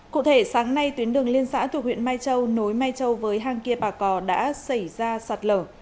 cụ thể sáng nay tuyến đường liên xã thuộc huyện mai châu nối mai châu với hang kia bà cò đã xảy ra sạt lở